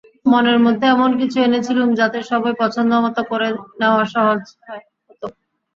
মনের মধ্যে এমন কিছু এনেছিলুম যাতে সবই পছন্দমত করে নেওয়া সহজ হত।